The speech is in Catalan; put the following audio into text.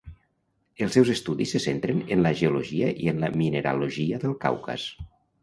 Els seus estudis se centren en la geologia i en la mineralogia del Caucas.